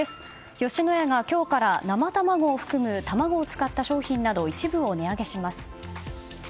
吉野家が今日から生卵を含む卵を使った商品など一部を値上げします。